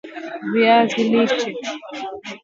Viazi lishe vya kuchemshwa